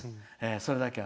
それだけは。